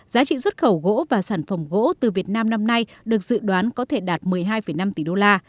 giá trị xuất khẩu gỗ và sản phẩm gỗ từ việt nam năm nay được dự đoán có thể đạt một mươi hai năm tỷ đô la